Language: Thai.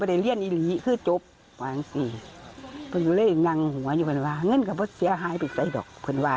โอเหล่ะนะครับยืนเฝ้าอยากขนตัววิบันนี้แล้วเห็นครับ